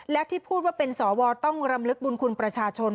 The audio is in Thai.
และที่พูดว่าเป็นสวต้องรำลึกบุญคุณประชาชน